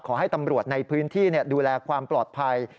ขอให้ตำรวจในพื้นที่ดูแลความปลอดภัย